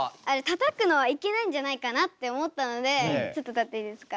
たたくのはいけないんじゃないかなって思ったのでちょっと立っていいですか。